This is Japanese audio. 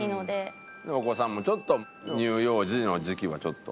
お子さんも乳幼児の時期はちょっと。